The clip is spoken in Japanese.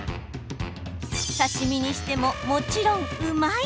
刺身にしても、もちろんうまい。